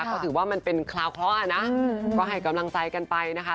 ก็ถือว่ามันเป็นคราวเคราะห์นะก็ให้กำลังใจกันไปนะคะ